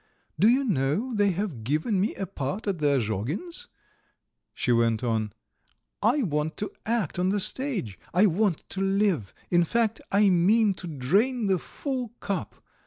"Do you know they have given me a part at the Azhogins'?" she went on. "I want to act on the stage, I want to live in fact, I mean to drain the full cup.